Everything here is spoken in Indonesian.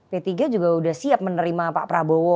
p tiga juga sudah siap menerima pak prabowo